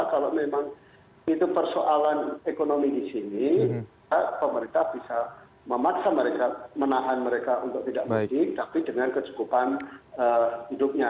kalau memang itu persoalan ekonomi di sini pemerintah bisa memaksa mereka menahan mereka untuk tidak mudik tapi dengan kecukupan hidupnya